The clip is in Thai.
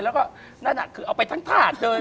แล้วก็นั่นน่ะเอาไปทั้งถาดเลย